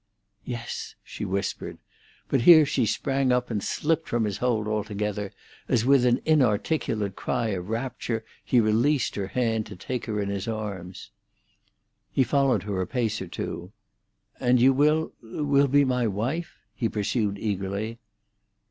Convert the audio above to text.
"Yes," she whispered; but here she sprang up and slipped from his hold altogether, as with an inarticulate cry of rapture he released her hand to take her in his arms. He followed her a pace or two. "And you will—will be my wife?" he pursued eagerly.